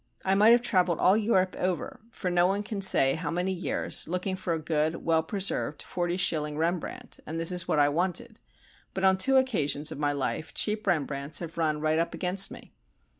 I might have travelled all Europe over for no one can say how many years, looking for a good, well preserved, forty shilling Rembrandt (and this was what I wanted), but on two occasions of my life cheap Rembrandts have run right up against me.